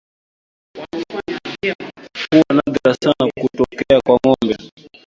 Huwa nadra sana kutokea kwa ng'ombe